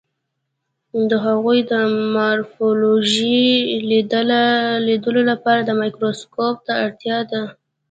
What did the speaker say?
د هغوی د مارفولوژي لیدلو لپاره مایکروسکوپ ته اړتیا ده.